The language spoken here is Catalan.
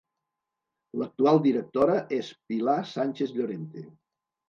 L'actual directora és Pilar Sánchez Llorente.